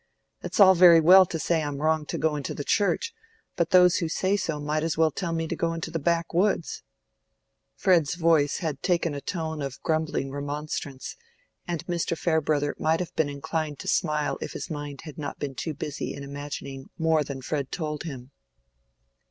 It's all very well to say I'm wrong to go into the Church; but those who say so might as well tell me to go into the backwoods." Fred's voice had taken a tone of grumbling remonstrance, and Mr. Farebrother might have been inclined to smile if his mind had not been too busy in imagining more than Fred told him.